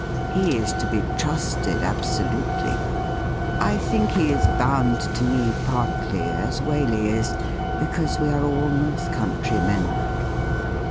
He is to be trusted absolutely. I think he is bound to me partly, as Waley is, because we are all North Country men.'